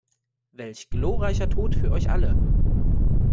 Welch glorreicher Tod für euch alle!